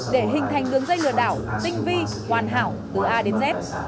để hình thành đường dây lừa đảo tinh vi hoàn hảo từ a đến z